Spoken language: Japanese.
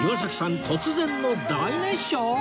突然の大熱唱